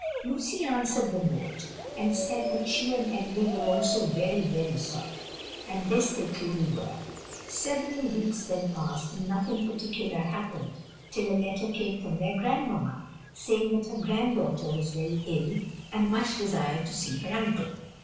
Lucy answered the note, and said that she and Emily were also very, very sorry; and this they truly were. Several weeks then passed, and nothing particular happened, till a letter came from their grandmamma, saying that her grand daughter was very ill, and much desired to see her uncle.